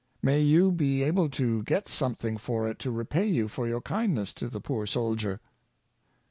May you be able to get something for it to repay you for your kindness to the poor soldier!